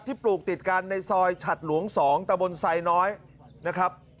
ปลูกติดกันในซอยฉัดหลวง๒ตะบนไซน้อยนะครับ